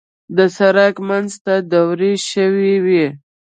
د سړک منځ ته دوړې شوې وې.